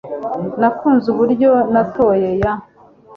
nakunze kuburyo natoye ya